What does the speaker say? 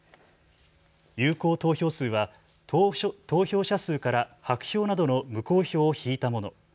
有効投票数は投票者数から白票などの無効票を引いたもの。